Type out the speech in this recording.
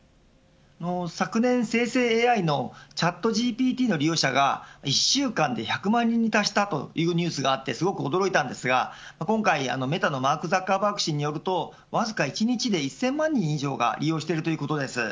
昨年、生成ＡＩのチャットＧＰＴの利用者が１週間で１００万人に達したというニュースがあってすごく驚いたんですが今回メタのマークザッカーバーグ氏によるとわずか１日で１０００万人以上が利用しているということです。